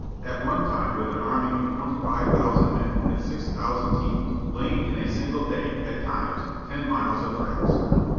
At one time with an army of twenty five thousand men, and six thousand teams, laying in a single day, at times, ten miles of tracks.